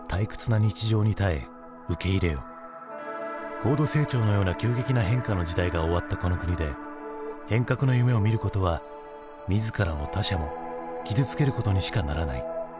高度成長のような急激な変化の時代が終わったこの国で変革の夢をみることは自らも他者も傷つけることにしかならない。